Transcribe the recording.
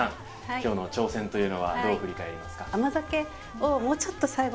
今日の挑戦というのはどう振り返りますか？